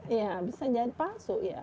iya bisa jadi palsu ya